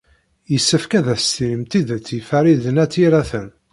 Yessefk ad as-tinimt tidet i Farid n At Yiraten.